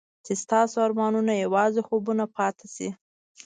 چې ستاسو ارمانونه یوازې خوبونه پاتې شي.